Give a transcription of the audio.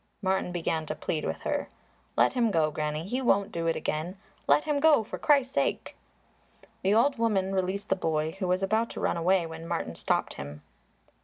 Martin began to plead with her. "Let him go, Granny; he won't do it again. Let him go for Christ's sake!" The old woman released the boy, who was about to run away when Martin stopped him.